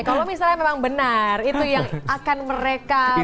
kalau misalnya memang benar itu yang akan mereka lakukan